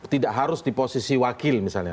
tidak harus di posisi wakil misalnya